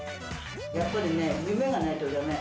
やっぱりね、夢がないとだめ。